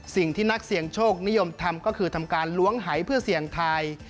สิ่งที่นักเสี่ยงโชคนิยมทำก็คือทำการล้วงหายเพื่อเสี่ยงทาย